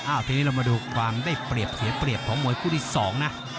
ทีนี้เรามาดูความได้เปรียบเสียเปรียบของมวยคู่ที่๒นะ